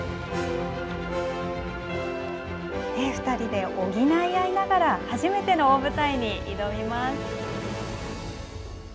２人で補い合いながら、初めての大舞台に挑みます。